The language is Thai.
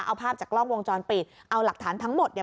เอาภาพจากกล้องวงจรปิดเอาหลักฐานทั้งหมดเนี่ย